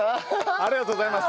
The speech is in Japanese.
ありがとうございます。